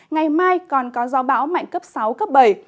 ngày mai còn có gió bão mạnh cấp sáu cấp bảy